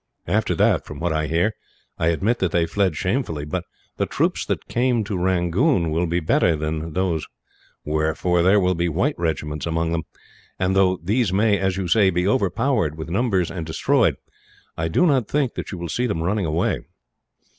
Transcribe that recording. After that, from what I hear, I admit that they fled shamefully. But the troops that come to Rangoon will be better than those were, for there will be white regiments among them; and though these may, as you say, be overpowered with numbers and destroyed, I do not think that you will see them running away."